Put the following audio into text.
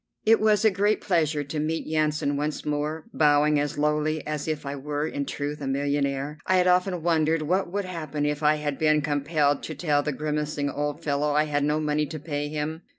It was a great pleasure to meet Yansan once more, bowing as lowly as if I were in truth a millionaire. I had often wondered what would happen if I had been compelled to tell the grimacing old fellow I had no money to pay him.